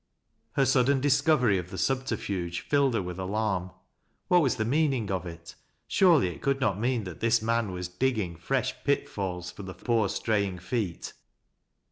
Her sudden discovery of the subterfuge filled her with alarm. What was the meaning of it ? Surely it could not mean that this man was digging fresh pitfalls for the poor stray ing feet.